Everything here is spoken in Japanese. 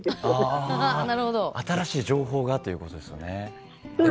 新しい情報がということですね。